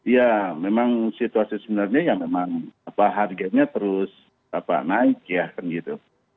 ya memang situasi sebenarnya ya memang harganya terus naik ya kan gitu